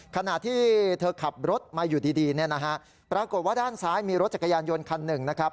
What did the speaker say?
ขณะที่เธอขับรถมาอยู่ดีเนี่ยนะฮะปรากฏว่าด้านซ้ายมีรถจักรยานยนต์คันหนึ่งนะครับ